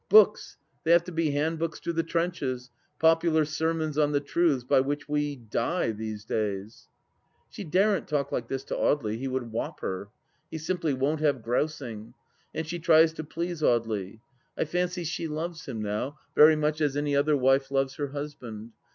... Books ! They have to be handbooks to the trenches, pppular sermons on the truths by which we — die, these days !" She daren't talk like this to Audely, he would whop her. He simply won't have grousing. And she tries to please Audely. I fancy she loves him now, very much as any other wife loves her husband.